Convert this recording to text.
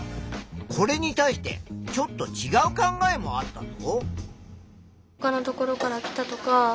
これに対してちょっとちがう考えもあったぞ。